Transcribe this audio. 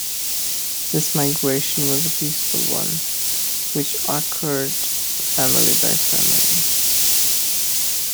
This migration was a peaceful one which occurred family by family.